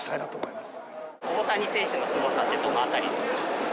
大谷選手のすごさってどの辺りですか？